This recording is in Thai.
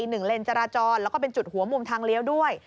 เลนจราจรแล้วก็เป็นจุดหัวมุมทางเลี้ยวด้วย